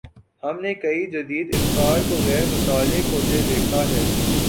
ہم نے کئی جدید افکار کو غیر متعلق ہوتے دیکھا ہے۔